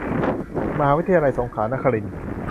มหาวิทยาลัยสงขลานครินทร์